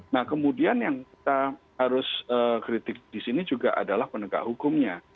nah kemudian yang harus kita kritik disini juga adalah penegak hukumnya